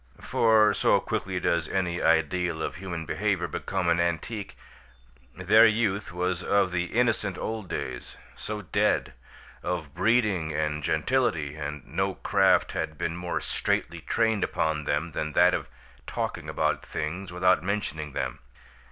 For so quickly does any ideal of human behavior become an antique their youth was of the innocent old days, so dead! of "breeding" and "gentility," and no craft had been more straitly trained upon them than that of talking about things without mentioning them.